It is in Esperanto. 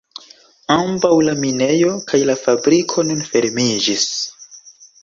Ambaŭ la minejo kaj la fabriko nun fermiĝis.